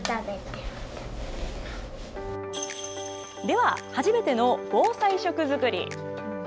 では、初めての防災食作り。